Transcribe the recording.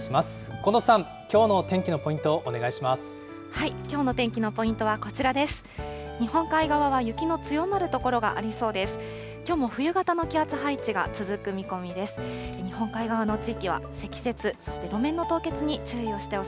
近藤さん、きょうの天気のポイント、お願いします。